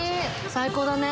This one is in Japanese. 最高だね。